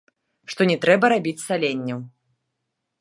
Што не трэба рабіць саленняў.